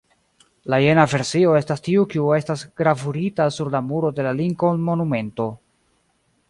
La jena versio estas tiu kiu estas gravurita sur la muro de la Lincoln-monumento.